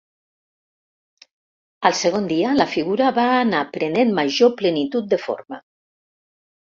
Al segon dia la figura va anar prenent major plenitud de forma.